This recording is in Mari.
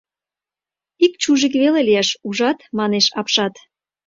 — Ик чужик веле лиеш, ужат! — манеш апшат.